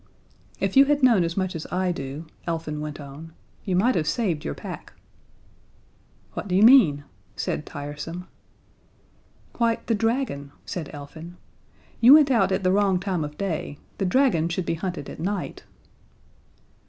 "If you had known as much as I do," Elfin went on, "you might have saved your pack." "What do you mean?" said Tiresome. "Why, the dragon," said Elfin. "You went out at the wrong time of day. The dragon should be hunted at night."